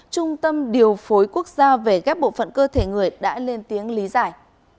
trung tâm điều phối quốc gia về ghép bộ phận cơ thể người đã lên tiếng lý giải